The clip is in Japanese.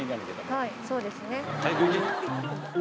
はい、そうですね。